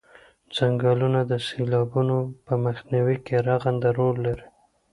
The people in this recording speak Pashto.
څنګلونه د سیلابونو په مخنیوي کې رغنده رول لري